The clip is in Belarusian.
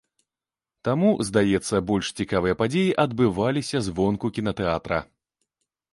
Таму, здаецца, больш цікавыя падзеі адбываліся звонку кінатэатра.